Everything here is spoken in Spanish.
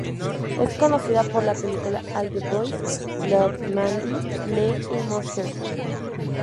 Es conocida por la película "All The Boys Love Mandy Lane" y "Monsters".